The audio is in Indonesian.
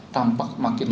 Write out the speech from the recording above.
tampak makin luas